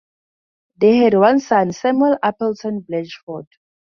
They had one son, Samuel Appleton Blatchford.